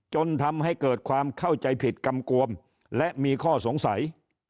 จนทำให้เกิดความเข้าใจผิดกำกวมและมีข้อสงสัย